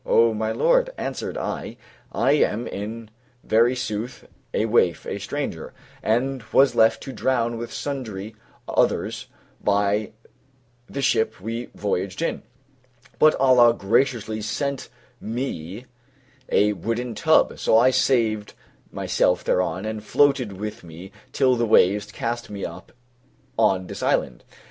"O my lord," answered I, "I am in very sooth a waif, a stranger, and was left to drown with sundry others by the ship we voyaged in; but Allah graciously sent me a wooden tub, so I saved myself thereon, and it floated with me till the waves cast me up on this island."